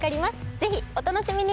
ぜひお楽しみに！